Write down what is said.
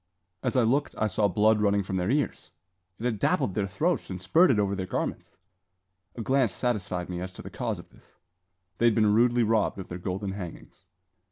As I looked, I saw blood running from their ears! It had dappled their throats and spurted over their garments. A glance satisfied me as to the cause of this. They had been rudely robbed of their golden hangings.